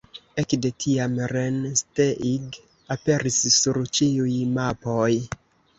Ekde tiam Rennsteig aperis sur ĉiuj mapoj.